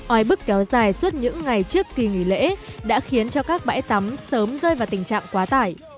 oi bức kéo dài suốt những ngày trước kỳ nghỉ lễ đã khiến cho các bãi tắm sớm rơi vào tình trạng quá tải